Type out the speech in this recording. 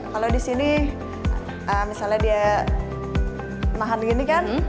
kalau di sini misalnya dia mahan gini kan